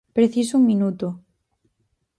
Preciso un minuto!